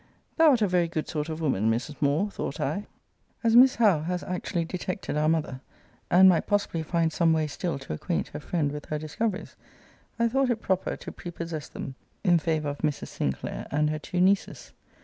Thou art a very good sort of woman, Mrs. Moore, thought I. As Miss Howe has actually detected our mother, and might possibly find some way still to acquaint her friend with her discoveries, I thought it proper to prepossess them in favour of Mrs. Sinclair and her two nieces.